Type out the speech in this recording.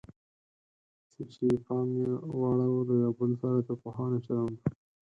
څه چې پام یې واړاوه له یو بل سره د پوهانو چلند و.